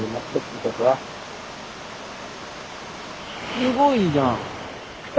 すごいじゃん。